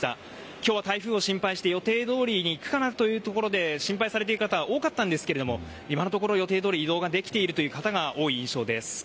今日は台風を心配して予定通りにいくかなと心配されている方多かったんですが今のところ予定どおり移動ができている方が多い印象です。